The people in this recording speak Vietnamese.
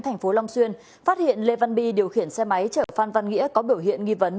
thành phố long xuyên phát hiện lê văn bi điều khiển xe máy chở phan văn nghĩa có biểu hiện nghi vấn